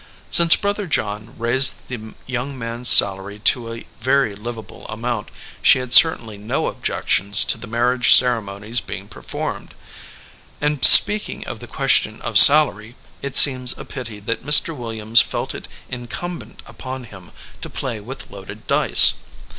Since Brother John raised the young man's salary to a very livable amount, she had certainly no objections to the marriage ceremony's being performed. And speaking of the question of salary, it seems a pity that Mr. Williams felt it incumbent upon him to play with loaded dice.